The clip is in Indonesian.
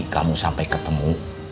kamu sampai ketemu